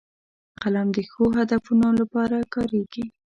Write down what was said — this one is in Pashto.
قلم د ښو هدفونو لپاره کارېږي